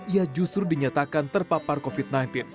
ia justru dinyatakan terpapar covid sembilan belas